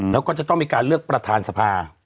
แล้วก็จะต้องมีการเลือกประธานสภา